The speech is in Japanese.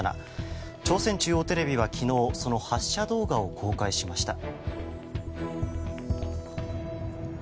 朝鮮中央テレビは昨日その発射動画を公開しました。